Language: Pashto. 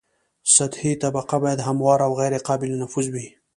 سطحي طبقه باید همواره او غیر قابل نفوذ وي